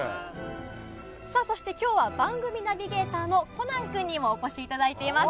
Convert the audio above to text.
さあ、そしてきょうは番組ナビゲーターのコナン君にもお越しいただいています。